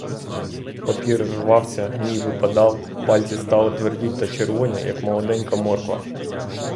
Папір рвався, гній випадав, пальці стали тверді та червоні, як молоденька морква.